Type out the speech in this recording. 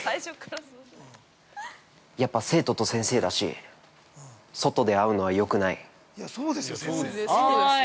やっぱ生徒と先生だし外で会うのはよくない。